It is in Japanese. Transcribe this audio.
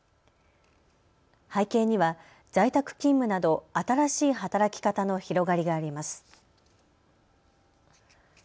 背景には在宅勤務など、新しい働き方の広がりがあります。